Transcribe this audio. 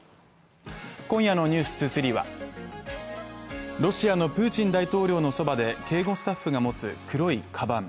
今夜の「ｎｅｗｓ２３」はロシアのプーチン大統領のそばで警護スタッフが持つ黒いかばん。